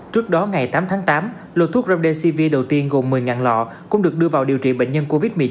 trước đó ngày tám tháng tám lô thuốc remdcv đầu tiên gồm một mươi lọ cũng được đưa vào điều trị bệnh nhân covid một mươi chín